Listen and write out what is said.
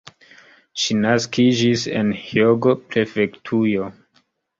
Ŝi naskiĝis en Hjogo-prefektujo.